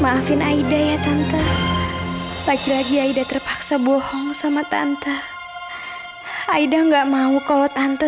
maafin aida ya tante lagi lagi aida terpaksa bohong sama tante aida enggak mau kalau tante